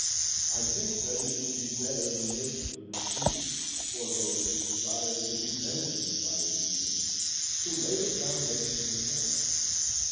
I think that it would be better than this, for the students, or those who desire to be benefited by it, even to lay the foundation themselves.